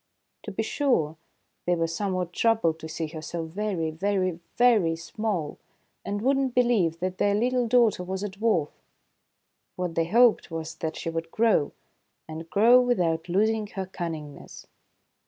To be sure, they were somewhat troubled to see her so very, very, very small, and would not believe that their little daughter was a dwarf. What they hoped was that she would grow, and grow without losing her cunningness.